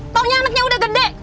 tahunya anaknya udah gede